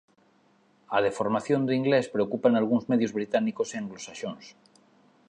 A deformación do inglés preocupa nalgúns medios británicos e anglosaxóns.